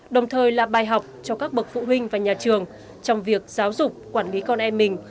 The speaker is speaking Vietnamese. đồng thời là bài học cho các bậc phụ huynh và nhà trường trong việc giáo dục quản lý con em mình